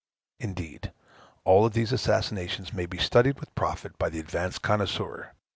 Indeed, all of these assassinations may be studied with profit by the advanced connoisseur.